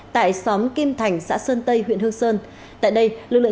tại xóm kim thành xã sơn tây huyện hương sơn